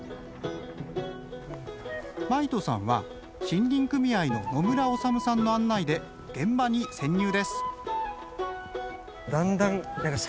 真威人さんは森林組合の野村治さんの案内で現場に潜入です。